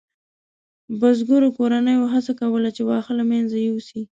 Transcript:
بزګرو کورنیو هڅه کوله چې واښه له منځه یوسي.